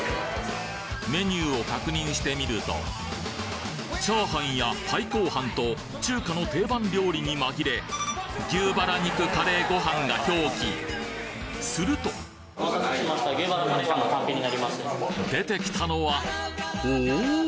メニューを確認してみるとチャーハンやパイコー飯と中華の定番料理にまぎれ牛バラ肉カレーご飯が表記すると出てきたのはおお！